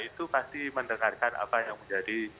itu pasti mendengarkan apa yang menjadi